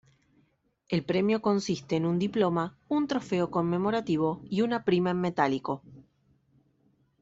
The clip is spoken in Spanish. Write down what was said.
El premio consiste en un diploma, un trofeo conmemorativo y una prima en metálico.